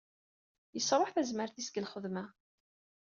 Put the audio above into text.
Yesruḥ tazmert-is deg lxedma.